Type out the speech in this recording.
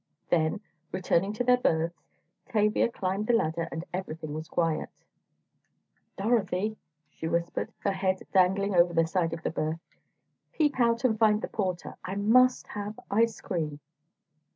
Then, returning to their berths, Tavia climbed the ladder, and everything was quiet. "Dorothy," she whispered, her head dangling over the side of the berth, "peep out and find the porter. I must have ice cream."